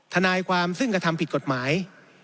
ทนายความซึ่งกระทำผิดกฎหมาย